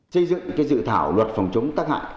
xây dựng dự thảo luật phòng chống tác hại